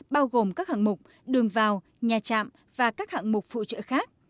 bao gồm các hạng mục đường vào nhà trạm và các hạng mục phụ trợ khác